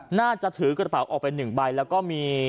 หน้าจะถือกระเป๋าออกไปหนึ่งใบ